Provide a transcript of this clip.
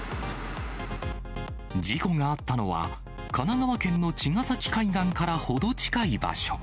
事故があったのは、神奈川県の茅ヶ崎海岸から程近い場所。